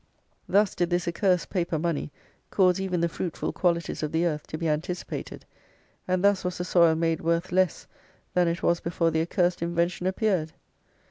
Thus did this accursed paper money cause even the fruitful qualities of the earth to be anticipated, and thus was the soil made worth less than it was before the accursed invention appeared!